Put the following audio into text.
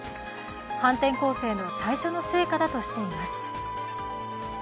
反転攻勢の最初の成果だとしています。